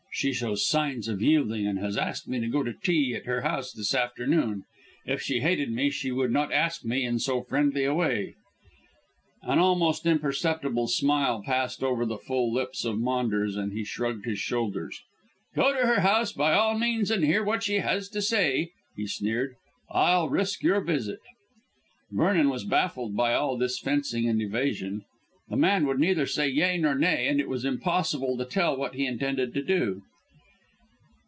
She shows signs of yielding, and has asked me to go to tea at her house this afternoon. If she hated me she would not ask me in so friendly a way." An almost imperceptible smile passed over the full lips of Maunders, and he shrugged his shoulders. "Go to her house by all means and hear what she has to say," he sneered. "I'll risk your visit." Vernon was baffled by all this fencing and evasion. The man would neither say "yea" nor "nay," and it was impossible to tell what he intended to do.